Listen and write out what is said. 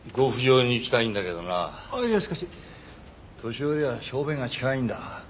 年寄りは小便が近いんだ。